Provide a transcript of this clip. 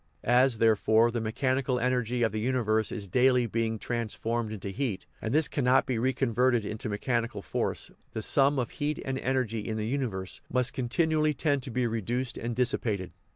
As, therefore, the mechanical energy of the universe is daily being transformed into heat, and this cannot be reconverted into mechanical force, the sum of heat and energy in the universe must continually tend to be reduced and dissipated.